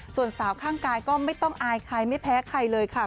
ส่วนสาวข้างกายก็ไม่ต้องอายใครไม่แพ้ใครเลยค่ะ